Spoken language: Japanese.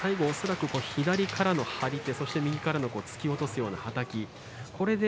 左からの張り手そして右から突き落とすようなはたき翠